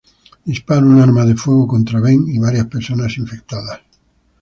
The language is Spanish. Dispara un arma de fuego contra Ben y varias personas infectadas.